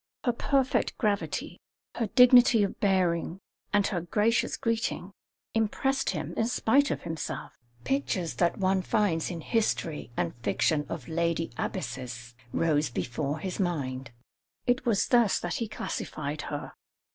Her perfect gravity, her dignity of bearing, and her gracious greeting, impressed him in spite of himself. Pictures that one finds in history and fiction of lady abbesses rose before his mind; it was thus that he classified her.